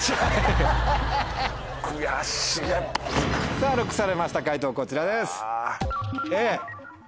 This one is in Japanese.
さぁＬＯＣＫされました解答こちらです。